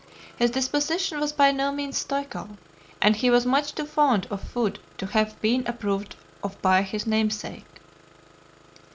His disposition was by no means stoical, and he was much too fond of food to have been approved of by his namesake.